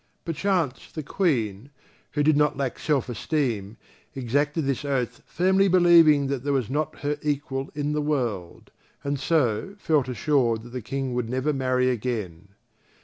Perchance, the Queen, who did not lack self esteem, exacted this oath firmly believing that there was not her equal in the world, and so felt assured that the King would never marry again.